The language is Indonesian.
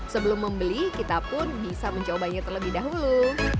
sebelum membeli kita pun bisa mencobanya terlebih dahulu